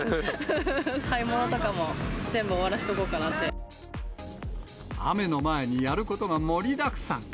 買い物とかも全部終わらせとこう雨の前にやることが盛りだくさん。